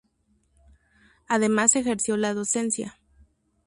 Además ejerció la docencia.